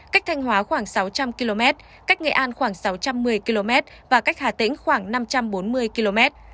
cách thanh hóa khoảng sáu trăm linh km cách nghệ an khoảng sáu trăm một mươi km và cách hà tĩnh khoảng năm trăm bốn mươi km